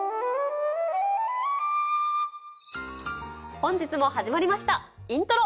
本日も始まりました『イントロ』！